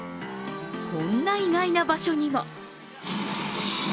こんな意外な場所にも。